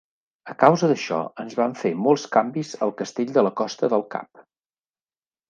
A causa d'això, es van fer molts canvis al castell de la Costa del Cap.